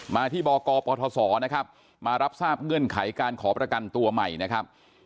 มาที่บกปศนะครับมารับทราบเงื่อนไขการขอประกันตัวใหม่นะครับ